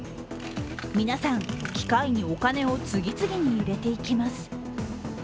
皆さん、機械にお金を次々に入れていきます。